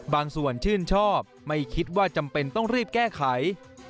บางส่วนชื่นชอบไม่คิดว่าจำเป็นต้องรีบแก้ไข